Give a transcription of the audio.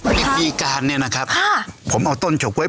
วิธีการเนี่ยนะครับผมเอาต้นเฉาก๊วย